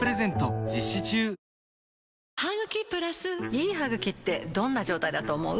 いい歯ぐきってどんな状態だと思う？